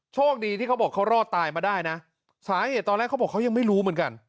โชคดีที่เขาบอกเขารอดตายมาได้นะสาเหตุตอนแรกเขาบอกเขายังไม่รู้เหมือนกัน